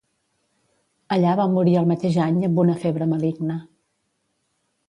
Allà va morir el mateix any amb una febre maligna.